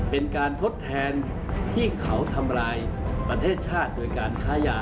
เป็นการทดแทนที่เขาทำลายประเทศชาติโดยการค้ายา